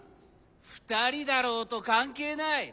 ふたりだろうとかんけいない。